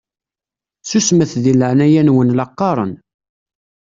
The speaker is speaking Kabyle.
Susmet deg leɛnaya-nwen la qqaṛen!